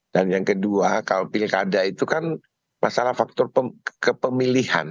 dan yang kedua kalau pilkada itu kan masalah faktor kepemilihan